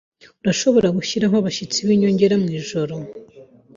Urashobora gushiraho abashyitsi b'inyongera mwijoro?